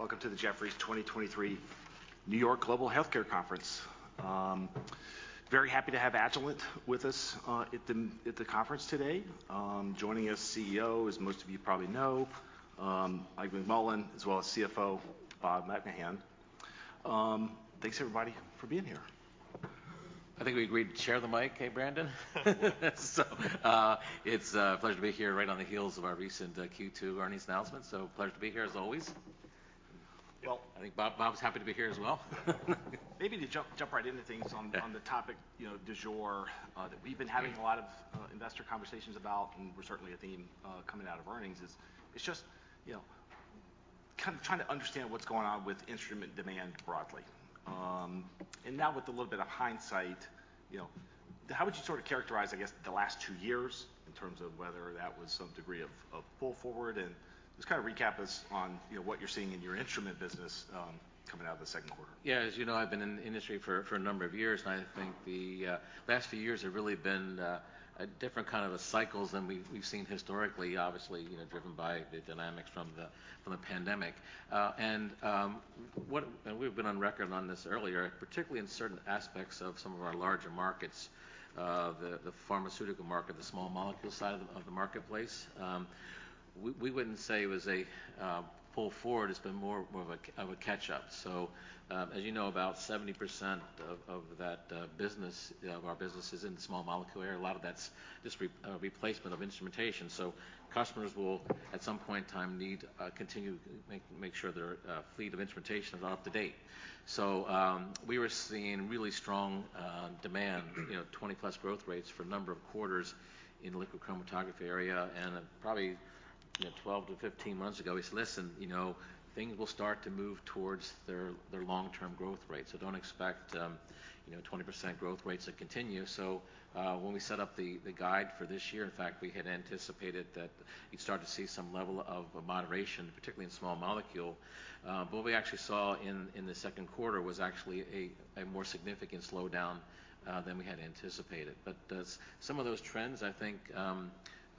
Welcome to the Jefferies 2023 New York Global Healthcare Conference. Very happy to have Agilent with us, at the conference today. Joining us, CEO, as most of you probably know, Mike McMullen, as well as CFO, Bob McMahon. Thanks, everybody, for being here. I think we agreed to share the mic, hey, Brandon? It's a pleasure to be here right on the heels of our recent, Q2 earnings announcement. Pleasure to be here, as always. Well- I think Bob's happy to be here as well. Maybe to jump right into things. Yeah... on the topic, you know, du jour, that we've been having a lot of investor conversations about, and was certainly a theme coming out of earnings, is it's just, you know, kind of trying to understand what's going on with instrument demand broadly. Now with a little bit of hindsight, you know, how would you sort of characterize, I guess, the last two years in terms of whether that was some degree of pull forward? Just kind of recap us on, you know, what you're seeing in your instrument business, coming out of the second quarter. Yeah, as you know, I've been in the industry for a number of years, and I think the last few years have really been a different kind of a cycles than we've seen historically, obviously, you know, driven by the dynamics from the pandemic. We've been on record on this earlier, particularly in certain aspects of some of our larger markets, the pharmaceutical market, the small molecule side of the marketplace. We wouldn't say it was a pull forward, it's been more of a catch up. As you know, about 70% of that business, of our business is in the small molecule area. A lot of that's just replacement of instrumentation. Customers will, at some point in time, need to continue to make sure their fleet of instrumentation is up to date. We were seeing really strong demand, you know, 20-plus growth rates for a number of quarters in the liquid chromatography area. Then, probably, you know, 12 to 15 months ago, we said, "Listen, you know, things will start to move towards their long-term growth rate. Don't expect, you know, 20% growth rates to continue." When we set up the guide for this year, in fact, we had anticipated that you'd start to see some level of moderation, particularly in small molecule. But what we actually saw in Q2 was actually a more significant slowdown than we had anticipated. Those... Some of those trends, I think, will eventually,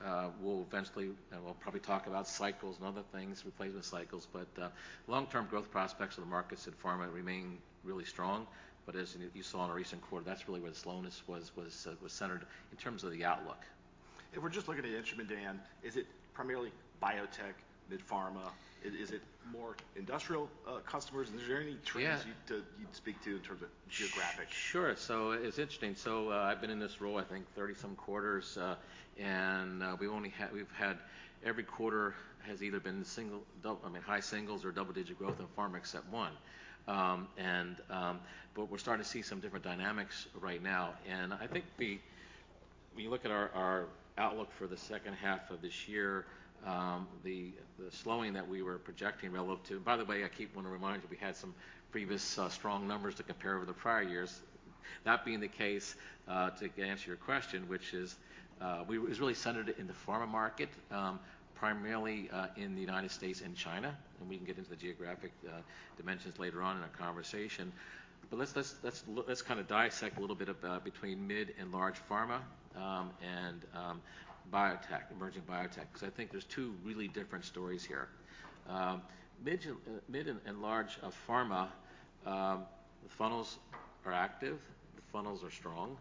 and we'll probably talk about cycles and other things, we play with cycles, but long-term growth prospects of the markets in pharma remain really strong. As you saw in a recent quarter, that's really where the slowness was centered in terms of the outlook. If we're just looking at the instrument, Dan, is it primarily biotech, mid pharma? Is it more industrial customers? Is there any trends... Yeah you'd speak to in terms of geographic? Sure. It's interesting. I've been in this role, I think, 30 some quarters, and we've had every quarter has either been single, double... I mean, high singles or double-digit growth in pharma, except one. We're starting to see some different dynamics right now. I think when you look at our outlook for the second half of this year, the slowing that we were projecting By the way, I keep wanting to remind you, we had some previous, strong numbers to compare over the prior years. That being the case, to answer your question, which is, it was really centered in the pharma market, primarily in the United States and China, and we can get into the geographic dimensions later on in our conversation. Let's kind of dissect a little bit between mid and large pharma and biotech, emerging biotech, because I think there's two really different stories here. Mid and large pharma, the funnels are active, the funnels are strong.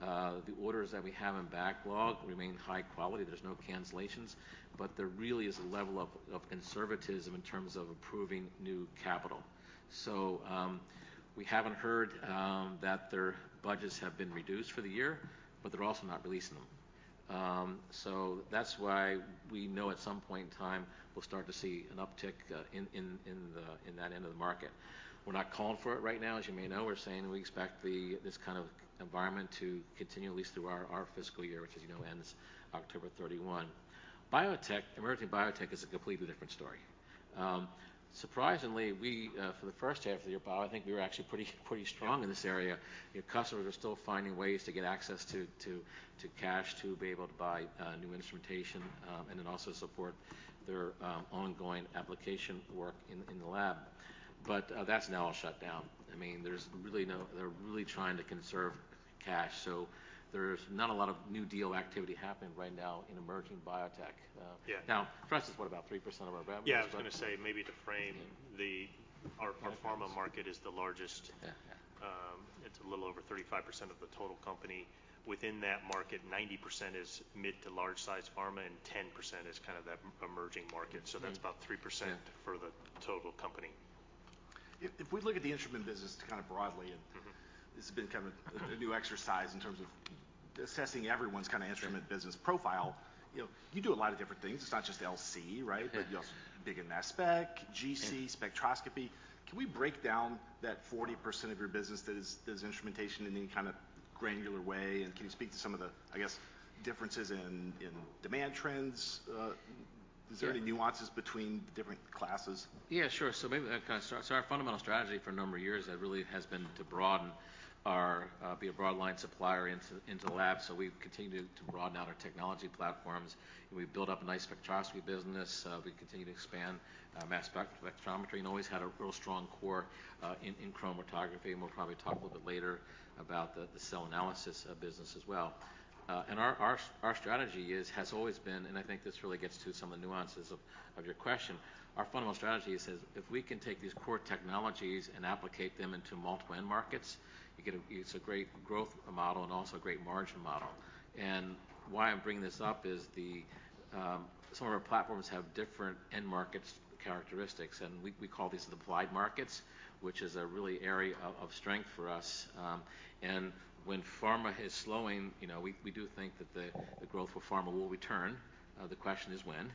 The orders that we have in backlog remain high quality. There's no cancellations, but there really is a level of conservatism in terms of approving new capital. We haven't heard that their budgets have been reduced for the year, but they're also not releasing them. That's why we know at some point in time, we'll start to see an uptick in the in that end of the market. We're not calling for it right now, as you may know. We're saying we expect this kind of environment to continue at least through our fiscal year, which, as you know, ends October 31. Biotech, emerging biotech is a completely different story. Surprisingly, we for the first half of the year, Bob, I think we were actually pretty strong in this area. You know, customers are still finding ways to get access to cash, to be able to buy new instrumentation, also support their ongoing application work in the lab. That's now all shut down. I mean, there's really they're really trying to conserve cash, there's not a lot of new deal activity happening right now in emerging biotech. Yeah. Now, for us, it's what? About 3% of our revenue. Yeah, I was going to say, maybe to frame the... Our pharma market- Yeah ...is the largest. Yeah, yeah. It's a little over 35% of the total company. Within that market, 90% is mid to large-sized pharma, and 10% is kind of that emerging market. Mm-hmm. That's about 3%. Yeah... for the total company. If we look at the instrument business kind of broadly. Mm-hmm... this has been kind of a new exercise in terms of assessing everyone's kind of instrument business profile. You know, you do a lot of different things. It's not just LC, right? Yeah. You're also big in mass spec. Yeah GC, spectroscopy. Can we break down that 40% of your business that is instrumentation in any kind of granular way? Can you speak to some of the, I guess, differences in demand trends? Yeah. Is there any nuances between the different classes? Yeah, sure. Maybe I kind of start. Our fundamental strategy for a number of years, really, has been to broaden our, be a broad line supplier into the lab. We've continued to broaden out our technology platforms, and we've built up a nice spectroscopy business. We continue to expand mass spectrometry, and always had a real strong core in chromatography, and we'll probably talk a little bit later about the cell analysis business as well. And our strategy has always been, and I think this really gets to some of the nuances of your question. Our fundamental strategy is that if we can take these core technologies and applicate them into multiple end markets, it's a great growth model and also a great margin model. Why I'm bringing this up is the, some of our platforms have different end markets characteristics, and we call these the applied markets, which is a really area of strength for us. When pharma is slowing, you know, we do think that the growth for pharma will return, the question is when?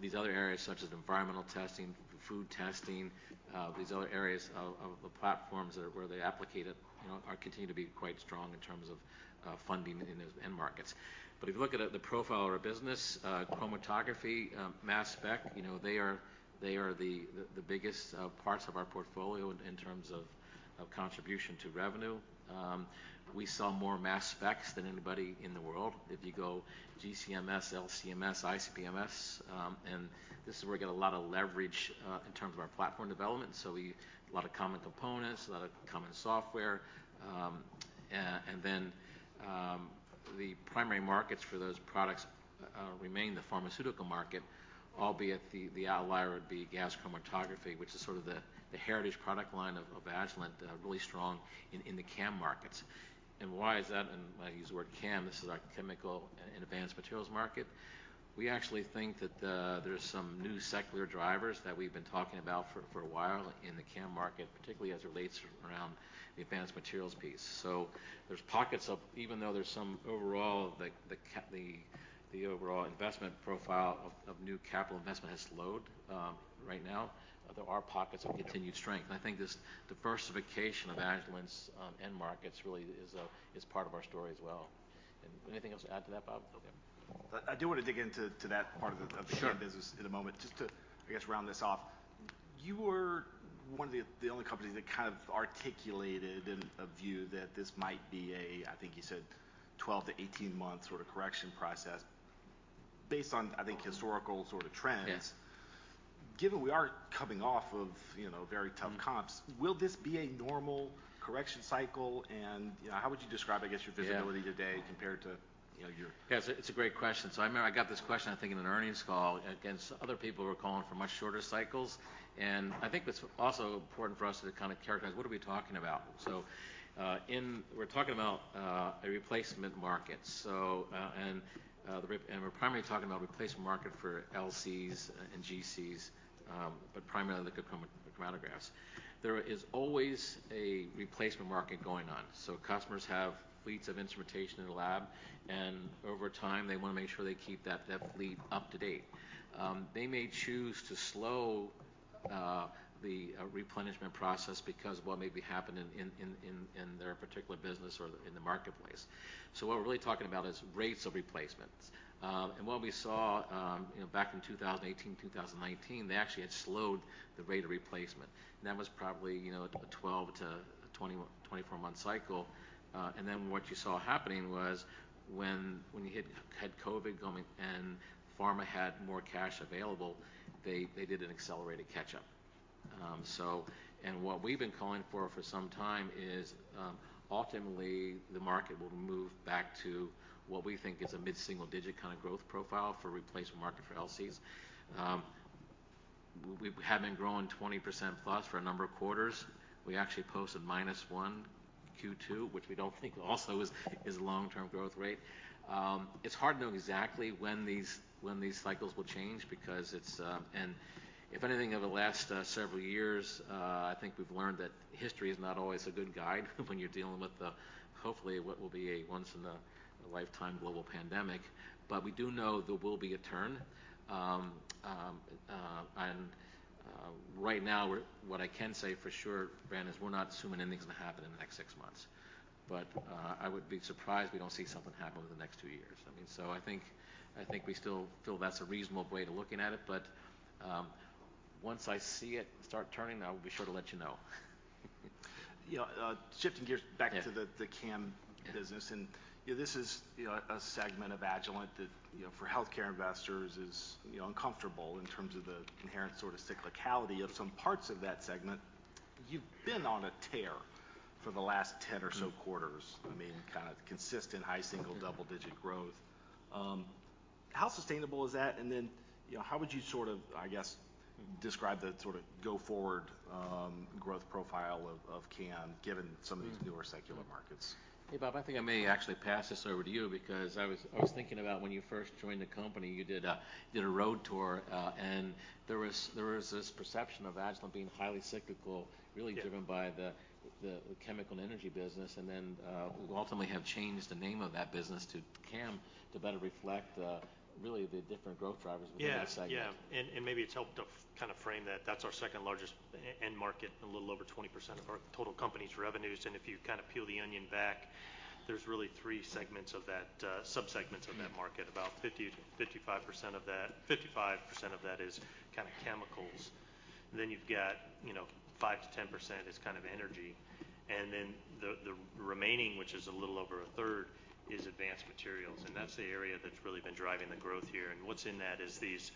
These other areas, such as environmental testing, food testing, these other areas of the platforms are where they applicate it, you know, are continuing to be quite strong in terms of funding in those end markets. If you look at the profile of our business, chromatography, mass spec, you know, they are the biggest parts of our portfolio in terms of contribution to revenue. We sell more mass specs than anybody in the world. If you go GC-MS, LC-MS, IC-MS, this is where we get a lot of leverage in terms of our platform development, a lot of common components, a lot of common software. Then the primary markets for those products remain the pharmaceutical market, albeit the outlier would be gas chromatography, which is sort of the heritage product line of Agilent, really strong in the CAM markets. Why is that? I use the word CAM, this is our chemicals and advanced materials market. We actually think that there's some new secular drivers that we've been talking about for a while in the CAM market, particularly as it relates around the advanced materials piece. There's pockets of even though there's some overall, the overall investment profile of new capital investment has slowed, right now, there are pockets of continued strength. I think this diversification of Agilent's end markets really is part of our story as well. Anything else to add to that, Bob? Okay. I do want to dig into that part of. Sure. CAM business in a moment. Just to, I guess, round this off, you were one of the only companies that kind of articulated in a view that this might be a, I think you said, 12-18 month sort of correction process, based on, I think, historical sort of trends. Yeah. Given we are coming off of, you know, very tough comps. Mm-hmm. will this be a normal correction cycle? you know, how would you describe, I guess, your visibility- Yeah today compared to, you know. Yeah, it's a great question. I remember I got this question, I think, in an earnings call, against other people who are calling for much shorter cycles. I think what's also important for us to kind of characterize, what are we talking about? We're talking about a replacement market. We're primarily talking about replacement market for LCs and GCs, but primarily the chromatographs. There is always a replacement market going on. Customers have fleets of instrumentation in their lab, and over time, they want to make sure they keep that fleet up to date. They may choose to slow the replenishment process because of what may be happening in their particular business or in the marketplace. What we're really talking about is rates of replacements. What we saw, you know, back in 2018, 2019, they actually had slowed the rate of replacement, and that was probably, you know, a 12-21, 24-month cycle. What you saw happening was when you had COVID coming and pharma had more cash available, they did an accelerated catch-up. What we've been calling for for some time is ultimately, the market will move back to what we think is a mid-single digit kind of growth profile for replacement market for LCs. We have been growing 20% plus for a number of quarters. We actually posted -1 Q2, which we don't think also is long-term growth rate. It's hard to know exactly when these, when these cycles will change because it's. If anything, over the last several years, I think we've learned that history is not always a good guide when you're dealing with the, hopefully, what will be a once-in-a-lifetime global pandemic. We do know there will be a turn. Right now, what I can say for sure, Brandon, is we're not assuming anything's going to happen in the next six months. I would be surprised we don't see something happen over the next two years. I mean, I think we still feel that's a reasonable way to looking at it, but once I see it start turning, I will be sure to let you know. Yeah, shifting gears back- Yeah... to the CAM business. You know, this is, you know, a segment of Agilent that, you know, for healthcare investors is, you know, uncomfortable in terms of the inherent sort of cyclicality of some parts of that segment. You've been on a tear for the last 10 or so quarters. Mm-hmm. I mean, kind of consistent high single, double-digit growth. How sustainable is that? Then, you know, how would you sort of, I guess, describe the sort of go-forward, growth profile of CAM, given some of these- Mm-hmm... newer secular markets? Hey, Bob, I think I may actually pass this over to you because I was thinking about when you first joined the company, you did a, you did a road tour, and there was this perception of Agilent being highly cyclical... Yeah... really driven by the chemical and energy business, and then we ultimately have changed the name of that business to CAM to better reflect really the different growth drivers within the segment. Yeah. Yeah, maybe it's helped to kind of frame that. That's our second largest end market, a little over 20% of our total company's revenues. If you kind of peel the onion back.... there's really three segments of that, sub-segments of that market. About 50%-55% of that is kind of chemicals. You've got, 5%-10% is kind of energy, and then the remaining, which is a little over a third, is advanced materials, and that's the area that's really been driving the growth here. What's in that is these,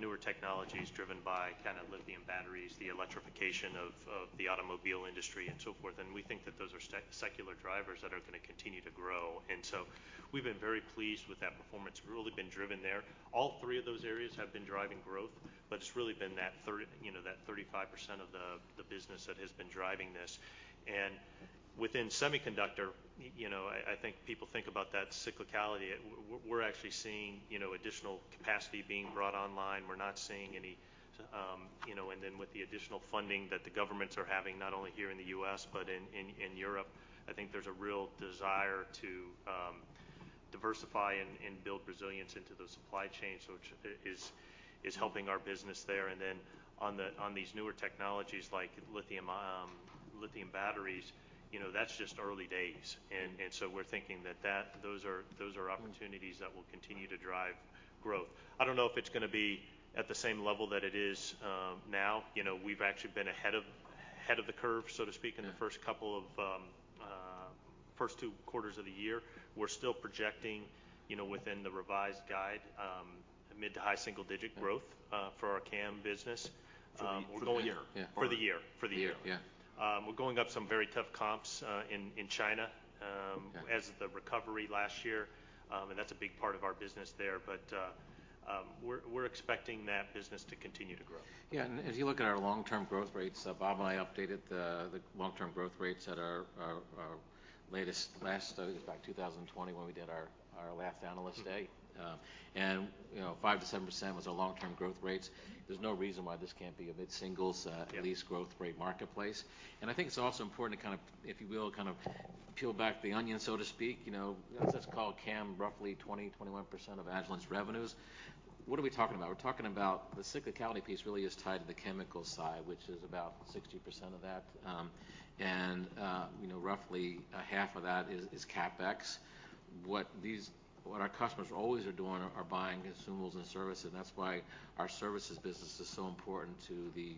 newer technologies driven by kind of lithium batteries, the electrification of the automobile industry, and so forth. We think that those are secular drivers that are going to continue to grow. We've been very pleased with that performance. We've really been driven there. All three of those areas have been driving growth, but it's really been that 35% of the business that has been driving this. Within Semiconductor, you know, I think people think about that cyclicality. We're actually seeing, you know, additional capacity being brought online. We're not seeing any. With the additional funding that the governments are having, not only here in the U.S., but in Europe, I think there's a real desire to diversify and build resilience into the supply chain, so which is helping our business there. On these newer technologies like lithium batteries, you know, that's just early days. We're thinking that those are opportunities that will continue to drive growth. I don't know if it's going to be at the same level that it is now. You know, we've actually been ahead of the curve, so to speak, in the first two quarters of the year. We're still projecting, you know, within the revised guide, mid to high single digit growth for our CAM business. For the year? Yeah. For the year. The year. For the year. Yeah. We're going up some very tough comps, in China. Okay as the recovery last year, and that's a big part of our business there. We're expecting that business to continue to grow. Yeah, if you look at our long-term growth rates, Bob and I updated the long-term growth rates at our last, I think it was back in 2020, when we did our last Analyst Day. You know, 5%-7% was our long-term growth rates. There's no reason why this can't be a mid-singles. Yeah... at least, growth rate marketplace. I think it's also important to kind of, if you will, kind of peel back the onion, so to speak. You know, let's just call CAM roughly 20%-21% of Agilent's revenues. What are we talking about? We're talking about the cyclicality piece really is tied to the chemical side, which is about 60% of that. You know, roughly half of that is CapEx. What our customers always are doing are buying consumables and services, and that's why our services business is so important to the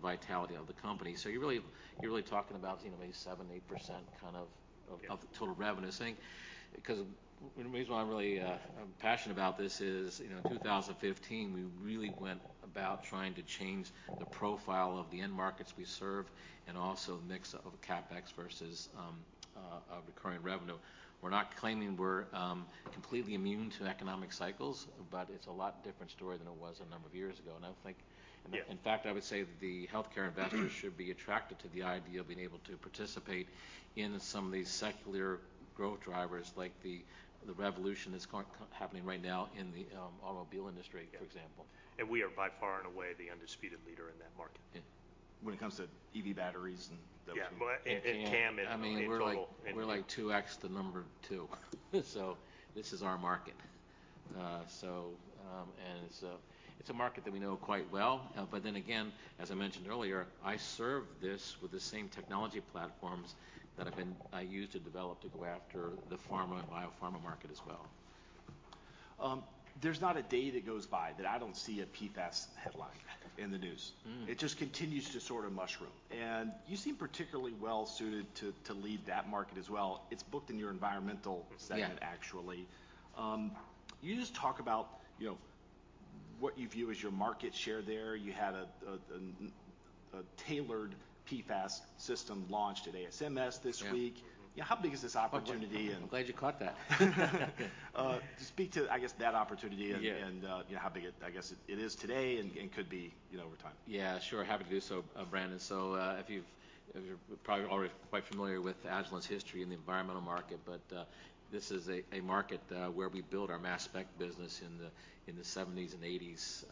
vitality of the company. You're really talking about, you know, maybe 7%-8% kind of- Yeah... of the total revenue. Because the reason why I'm really, I'm passionate about this is, you know, in 2015, we really went about trying to change the profile of the end markets we serve and also the mix of CapEx versus, recurring revenue. We're not claiming we're completely immune to economic cycles, but it's a lot different story than it was a number of years ago, and I think- Yeah In fact, I would say the healthcare investors should be attracted to the idea of being able to participate in some of these secular growth drivers, like the revolution that's happening right now in the automobile industry. Yeah... for example. We are, by far and away, the undisputed leader in that market. Yeah. When it comes to EV batteries and those- Yeah, in. In CAM, I mean, we're like Total... we're like 2x, the number 2. This is our market. It's a market that we know quite well. Again, as I mentioned earlier, I serve this with the same technology platforms that I used and developed to go after the pharma and biopharma market as well. There's not a day that goes by that I don't see a PFAS headline in the news. Mm. It just continues to sort of mushroom, and you seem particularly well-suited to lead that market as well. It's booked in your environmental segment. Yeah... actually. Can you just talk about, you know, what you view as your market share there? You had a tailored PFAS system launched at ASMS this week. Yeah. Yeah, how big is this opportunity? I'm glad you caught that. just speak to, I guess, that opportunity. Yeah... and, you know, how big I guess it is today and could be, you know, over time. Yeah, sure. Happy to do so, Brandon. If you're probably already quite familiar with Agilent's history in the environmental market, but this is a market where we built our mass spec business in the 70s and 80s,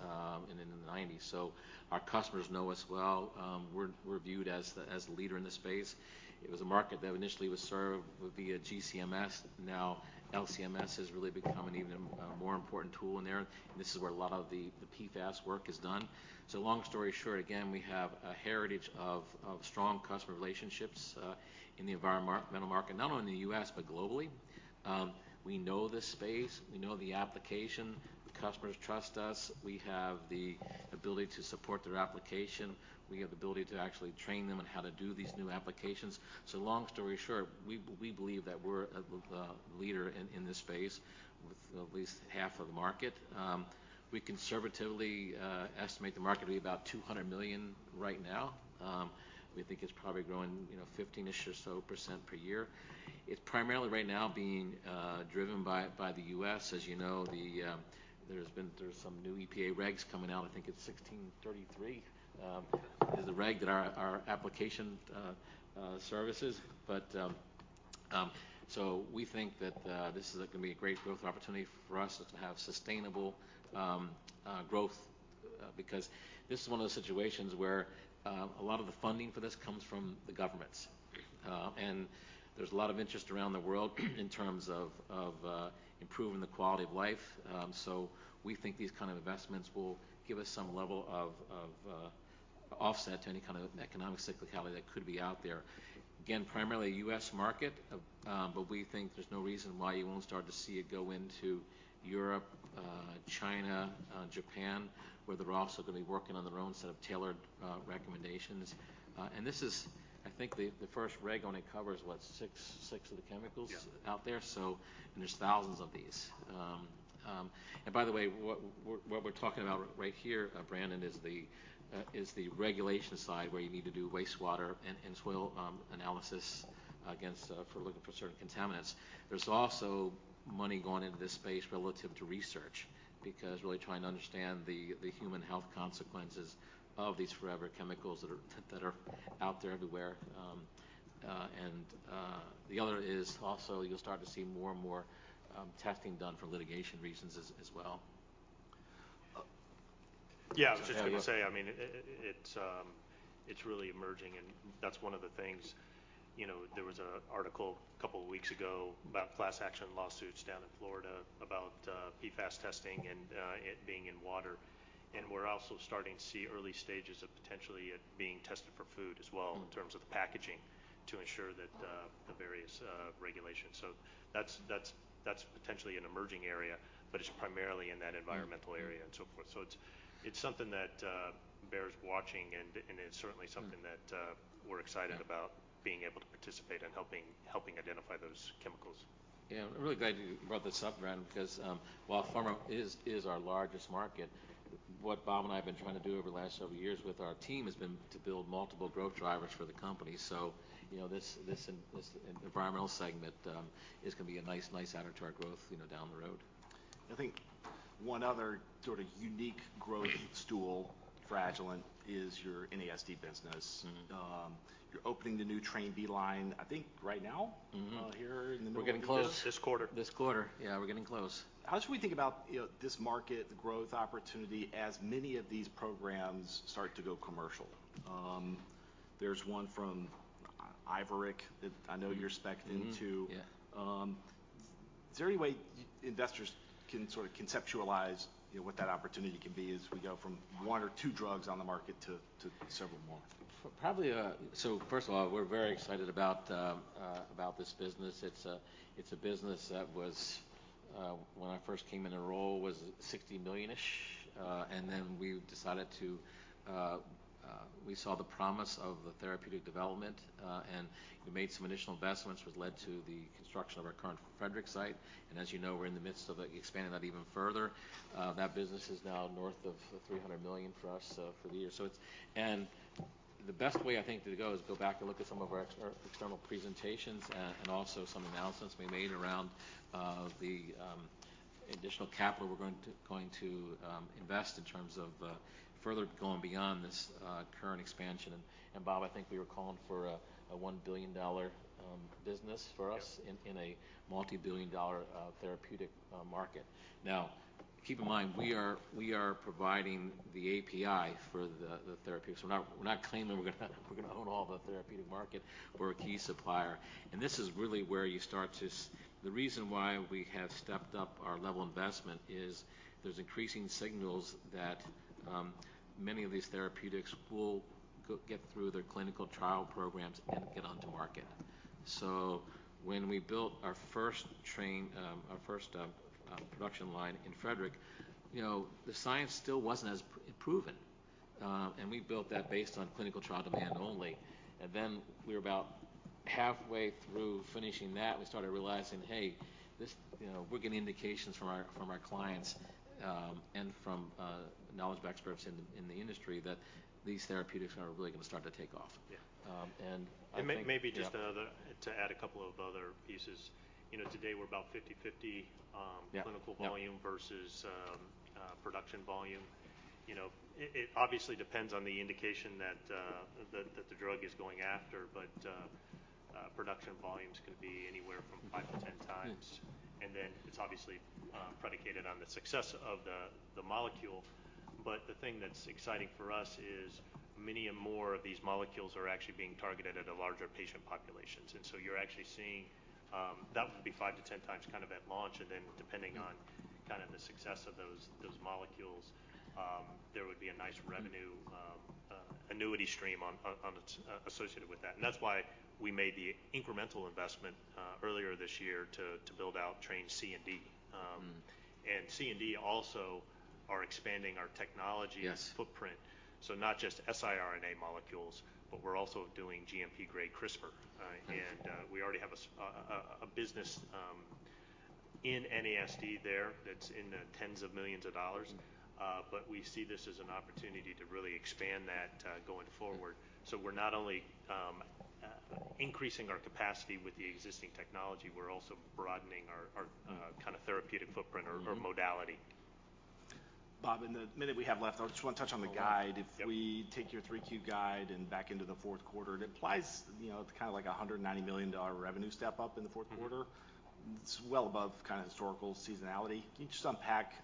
and in the 90s. Our customers know us well. We're viewed as the leader in this space. It was a market that initially was served via GC-MS. Now, LC-MS has really become an even more important tool in there, and this is where a lot of the PFAS work is done. Long story short, again, we have a heritage of strong customer relationships in the environmental market, not only in the U.S., but globally. We know this space. We know the application. The customers trust us. We have the ability to support their application. We have the ability to actually train them on how to do these new applications. Long story short, we believe that we're the leader in this space, with at least half of the market. We conservatively estimate the market to be about $200 million right now. We think it's probably growing, you know, 15-ish or so % per year. It's primarily right now being driven by the U.S. As you know, there's some new EPA regs coming out. I think it's Method 1633 is the reg that our application services. We think this is going to be a great growth opportunity for us to have sustainable growth because this is one of those situations where a lot of the funding for this comes from the governments. There's a lot of interest around the world in terms of improving the quality of life. We think these kind of investments will give us some level of offset to any kind of economic cyclicality that could be out there. Again, primarily a U.S. market, we think there's no reason why you won't start to see it go into Europe, China, Japan, where they're also going to be working on their own set of tailored recommendations. This is, I think, the first reg only covers, what, six of the chemicals? Yeah -out there? There's thousands of these. By the way, what we're talking about right here, Brandon, is the regulation side, where you need to do wastewater and soil analysis against, for looking for certain contaminants. There's also money going into this space relative to research, because really trying to understand the human health consequences of these forever chemicals that are out there everywhere. The other is also, you'll start to see more and more testing done for litigation reasons as well. Yeah, I was just going to say, I mean, it's really emerging, that's one of the things. You know, there was an article a couple of weeks ago about class action lawsuits down in Florida, about PFAS testing and it being in water. We're also starting to see early stages of potentially it being tested for food as well. Mm-hmm in terms of the packaging, to ensure that, the various, regulations. That's potentially an emerging area, but it's primarily in that environmental area. Mm-hmm so forth. It's something that bears watching, and it's certainly something that we're excited- Yeah about being able to participate and helping identify those chemicals. Yeah, I'm really glad you brought this up, Brandon, because while pharma is our largest market, what Bob and I have been trying to do over the last several years with our team has been to build multiple growth drivers for the company. You know, this environmental segment is going to be a nice adder to our growth, you know, down the road. I think one other sort of unique growth stool for Agilent is your NASD business. Mm-hmm. You're opening the new Train B line, I think, right now. Mm-hmm ...here We're getting close. This quarter. This quarter. Yeah, we're getting close. How should we think about, you know, this market, the growth opportunity, as many of these programs start to go commercial? There's one from Iveric Bio that I know you're expecting, too. Mm-hmm. Yeah. Is there any way investors can sort of conceptualize, you know, what that opportunity can be as we go from one or two drugs on the market to several more? Probably, first of all, we're very excited about this business. It's a business that was when I first came in the role, was $60 million-ish. Then we decided to we saw the promise of the therapeutic development, and we made some additional investments, which led to the construction of our current Frederick site. As you know, we're in the midst of expanding that even further. That business is now north of $300 million for us for the year. The best way, I think, to go is go back and look at some of our external presentations and also some announcements we made around the additional capital we're going to invest in terms of further going beyond this current expansion. Bob, I think we were calling for a $1 billion business for us. Yeah in a multi-billion dollar therapeutic market. Now, keep in mind, we are providing the API for the therapeutic. We're not claiming we're gonna own all the therapeutic market. We're a key supplier, and this is really where you start to The reason why we have stepped up our level of investment is there's increasing signals that many of these therapeutics will get through their clinical trial programs and get onto market. When we built our first train, our first production line in Frederick, you know, the science still wasn't as proven. We built that based on clinical trial demand only. We were about halfway through finishing that, we started realizing, "Hey, you know, we're getting indications from our clients, and from knowledge experts in the industry, that these therapeutics are really going to start to take off. Yeah. Um, and I think- maybe just to add a couple of other pieces. You know, today we're about 50/50. Yeah. Yeah. ...clinical volume versus production volume. You know, it obviously depends on the indication that the drug is going after, but production volumes could be anywhere from five to 10 times. Mm. It's obviously predicated on the success of the molecule. The thing that's exciting for us is many and more of these molecules are actually being targeted at a larger patient populations. You're actually seeing, that would be five to 10 times kind of at launch, and then depending on- Mm-hmm kind of the success of those molecules, there would be a nice revenue annuity stream on associated with that. That's why we made the incremental investment earlier this year to build out Train C and D. Mm. C and D also are expanding our technology's. Yes ...footprint. Not just siRNA molecules, but we're also doing GMP grade CRISPR. Yeah. We already have a business in NASD there, that's in the tens of millions of dollars. Mm-hmm. We see this as an opportunity to really expand that going forward. We're not only increasing our capacity with the existing technology, we're also broadening our Mm-hmm kind of therapeutic footprint or modality. Bob, in the minute we have left, I just want to touch on the guide. Yeah. If we take your three-Q guide and back into the fourth quarter, it implies, you know, kind of like a $190 million revenue step-up in the fourth quarter. Mm-hmm. It's well above kind of historical seasonality. Can you just unpack,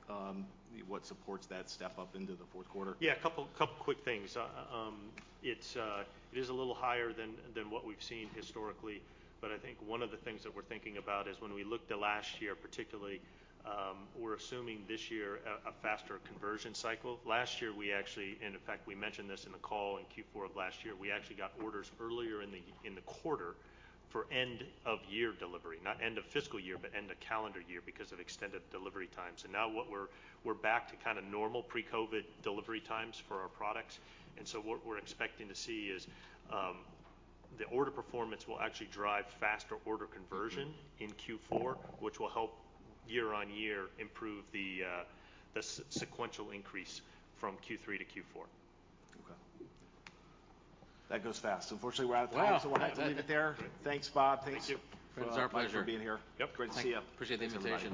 what supports that step up into the fourth quarter? Yeah, a couple quick things. It's a little higher than what we've seen historically, but I think one of the things that we're thinking about is when we looked at last year, particularly, we're assuming this year a faster conversion cycle. Last year, we actually, and in fact, we mentioned this in the call in Q4 of last year, we actually got orders earlier in the quarter for end of year delivery. Not end of fiscal year, but end of calendar year, because of extended delivery times. Now we're back to kind of normal pre-COVID delivery times for our products. So what we're expecting to see is the order performance will actually drive faster order conversion. Mm-hmm in Q4, which will help year-on-year improve the sequential increase from Q3 to Q4. Okay. That goes fast. Unfortunately, we're out of time. Wow! We'll have to leave it there. Great. Thanks, Bob. Thank you. It's our pleasure. for being here. Yep. Great to see you. Appreciate the invitation.